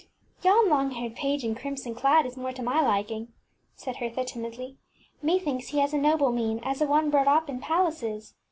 ŌĆÖ ŌĆśYon long haired page in crimson clad is more to my liking, ŌĆÖ said Hertha, timidly. ŌĆśMethinks he has a noble mien, as of one brought up in pal aces.